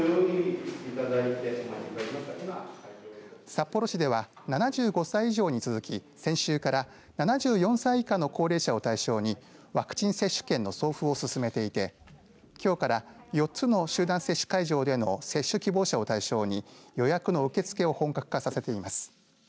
札幌市では７５歳以上に続き先週から７４歳以下の高齢者を対象にワクチン接種券の送付を進めていてきょうから４つの集団接種会場での接種希望者を対象に予約の受け付けを本格化させています。